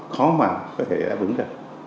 khó mà có thể đáp ứng được